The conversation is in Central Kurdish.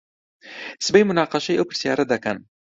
سبەی موناقەشەی ئەو پرسیارە دەکەن.